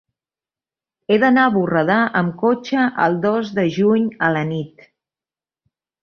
He d'anar a Borredà amb cotxe el dos de juny a la nit.